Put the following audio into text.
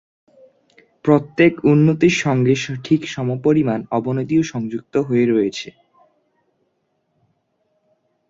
প্রত্যেক উন্নতির সঙ্গে ঠিক সমপরিমাণ অবনতিও সংযুক্ত হয়ে রয়েছে।